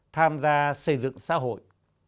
tham gia xây dựng xã hội